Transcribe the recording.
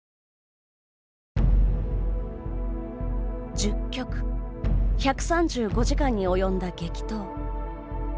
１０局１３５時間に及んだ激闘。